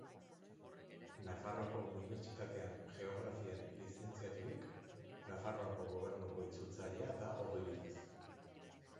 Nafarroako Unibertsitatean Geografian lizentziaturik, Nafarroako Gobernuko itzultzailea da ogibidez.